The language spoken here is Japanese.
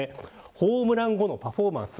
ホームラン後のパフォーマンス。